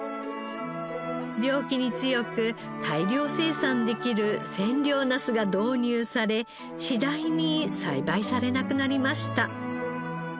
病気に強く大量生産できる千両ナスが導入され次第に栽培されなくなりました。